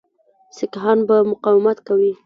سیکهان به مقاومت کوي.